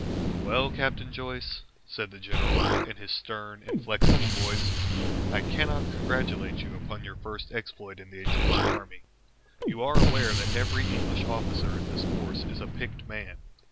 "Well, Captain Joyce," said the general, in his stern, inflexible voice, "I cannot congratulate you upon your first exploit in the Egyptian army. You are aware that every English officer in this force is a picked man.